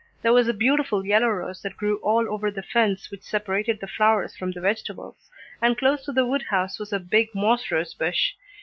There was a beautiful yellow rose that grew all over the fence which separated the flowers from the vegetables, and close to the wood house was a big moss rose bush.